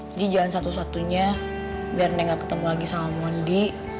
jadi jangan satu satunya biar neng gak ketemu lagi sama om wondi